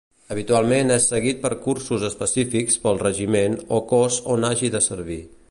Habitualment és seguit per cursos específics pel regiment o cos on hagi de servir.